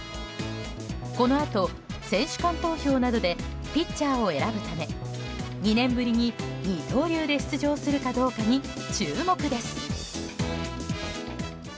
このあと、選手間投票などでピッチャーを選ぶため２年ぶりに二刀流で出場するかどうかに注目です。